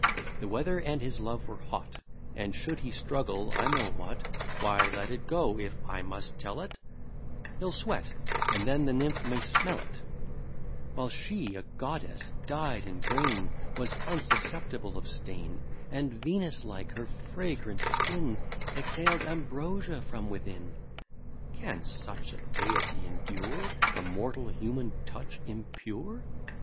The weather and his love were hot; And, should he struggle, I know what Why, let it go, if I must tell it He'll sweat, and then the nymph may smell it; While she, a goddess dyed in grain, Was unsusceptible of stain, And, Venus like, her fragrant skin Exhaled ambrosia from within. Can such a deity endure A mortal human touch impure?